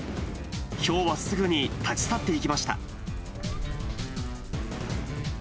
ヒョウはすぐに立ち去っていきました。